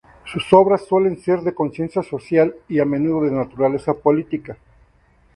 Sus obras suelen ser de conciencia social y a menudo de naturaleza política.